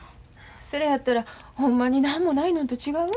それやったらほんまに何もないのんと違う？